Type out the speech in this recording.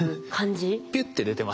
ピュッて出てましたね。